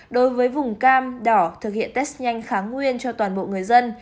đối với vùng cam đỏ thực hiện test nhanh kháng nguyên cho toàn bộ người dân